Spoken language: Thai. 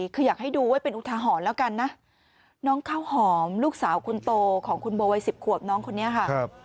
เก้าหอมลูกสาวคุณโตของคุณโบวัยสิบขวบน้องคนนี้ค่ะ